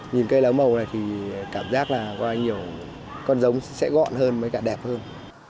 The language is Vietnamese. nhìn cây lá màu này thì cảm giác là có bao nhiêu con giống sẽ gọn hơn mới cả đẹp hơn